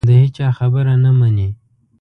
د هېچا خبره نه مني